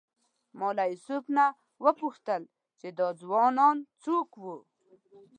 ما له یوسف نه وپوښتل چې دا ځوانان څوک وو.